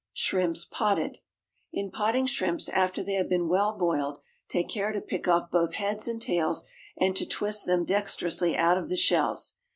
=Shrimps, Potted.= In potting shrimps, after they have been well boiled, take care to pick off both heads and tails and to twist them dexterously out of the shells.